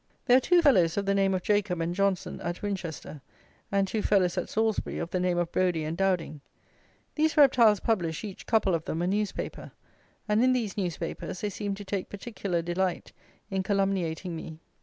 There are two fellows of the name of Jacob and Johnson at Winchester, and two fellows at Salisbury of the name of Brodie and Dowding. These reptiles publish, each couple of them, a newspaper; and in these newspapers they seem to take particular delight in calumniating me.